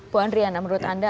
puan riana menurut anda